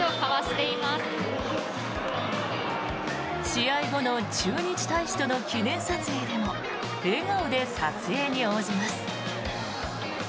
試合後の駐日大使との記念撮影でも笑顔で撮影に応じます。